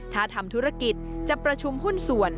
ถ้าทำธุรกิจจะประชุมหุ้นส่วน